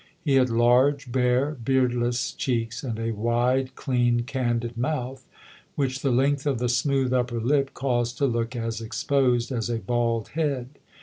He had large, bare, beardless cheeks and a wide, clean, candid mouth, which the length of the smooth upper lip caused to look as exposed as a bald head.